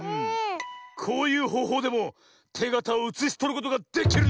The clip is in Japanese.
こういうほうほうでもてがたをうつしとることができるのだ。